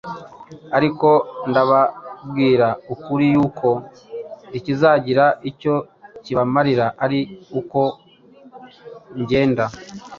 Ariko ndababwira ukuri yuko ikizagira icyo kibamarira, ari uko ngenda: